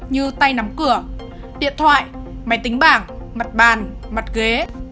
như tay nắm cửa điện thoại máy tính bảng mặt bàn mặt ghế